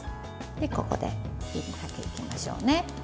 ここで、火にかけていきましょう。